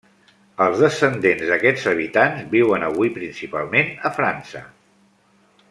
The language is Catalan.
Els descendents d'aquests habitants viuen avui principalment a França.